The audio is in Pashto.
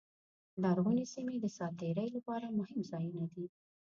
لرغونې سیمې د ساعت تېرۍ لپاره مهم ځایونه دي.